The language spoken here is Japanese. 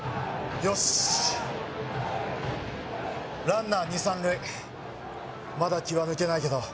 よしランナー２３塁まだ気は抜けないけど